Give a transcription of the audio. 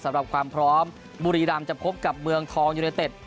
สำหรับความพร้อมบุรีรำจะพบกับเมืองทองยูเนเต็ด